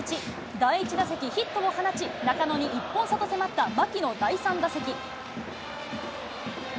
第１打席、ヒットを放ち、中野に１本差と迫った牧の第３打席。